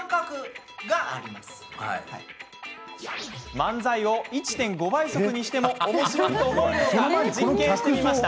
漫才を１．５倍速にしてもおもしろいと思えるのか実験してみました。